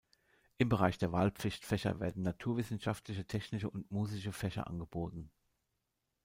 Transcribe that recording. Im Bereich der Wahlpflichtfächer werden naturwissenschaftliche, technische und musische Fächer angeboten.